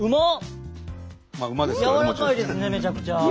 やわらかいですねめちゃくちゃ。